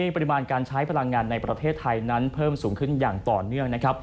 ปริมาณการใช้พลังงานในประเทศไทยนั้นเพิ่มสูงขึ้นอย่างต่อเนื่องนะครับ